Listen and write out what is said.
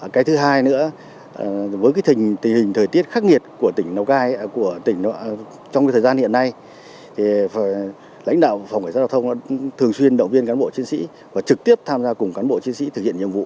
cái thứ hai nữa với tình hình thời tiết khắc nghiệt trong thời gian hiện nay thì lãnh đạo phòng khởi sát giao thông thường xuyên động viên cán bộ chiến sĩ và trực tiếp tham gia cùng cán bộ chiến sĩ thực hiện nhiệm vụ